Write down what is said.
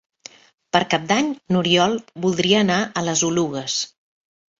Per Cap d'Any n'Oriol voldria anar a les Oluges.